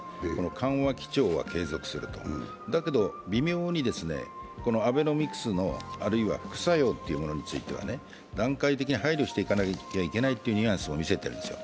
緩和基調は継続すると、だけど、微妙にアベノミクスのあるいは副作用というものについては段階的に配慮しなくてはいけないということなんですよ。